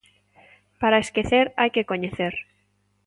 Para esquecer hai que coñecer.